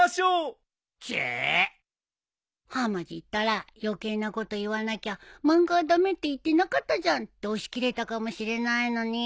チェッ。はまじったら余計なこと言わなきゃ漫画は駄目って言ってなかったじゃんって押し切れたかもしれないのに。